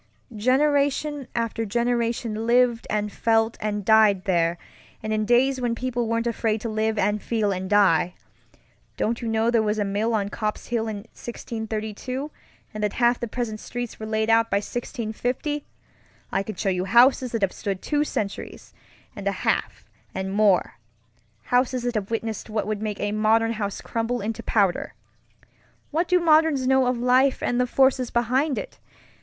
Generation after generation lived and felt and died there, and in days when people weren't afraid to live and feel and die. Don't you know there was a mill on Copp's Hill in 1632, and that half the present streets were laid out by 1650? I can show you houses that have stood two centuries and a half and more; houses that have witnessed what would make a modern house crumble into powder. What do moderns know of life and the forces behind it?